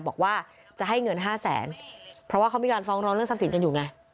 บอกว่าจะให้เงินห้าแสนเพราะว่าเขามีการฟ้องร้องเรื่องทรัพย์สินกันอยู่ไง